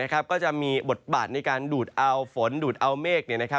ก็จะมีบทบาทในการดูดเอาฝนดูดเอาเมฆ